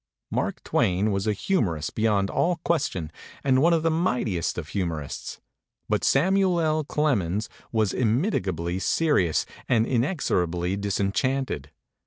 Mark Twain was a humorist beyond all question and one of the mightiest of humorists; but Samuel L. Clemens was immitigably serious and in exorably disenchanted.